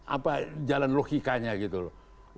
apa jalan logikanya gitu loh